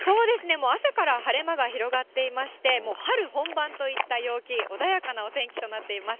もう、朝から晴れ間が広がっていまして、もう春本番といった陽気、穏やかなお天気となっています。